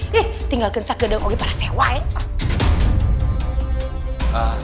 udah ngobrol sama para sewa ya pak